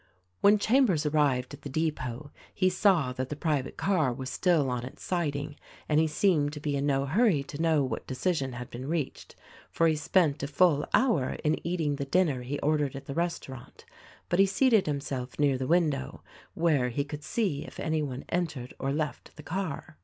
When Chambers arrived at the depot he saw that the private car was still on its siding and he seemed to be in no hurry to know what decision had been reached, for he spent a full hour in eating the dinner he ordered at the restaurant ; but he seated himself near the window where he could see if any one entered or left the car.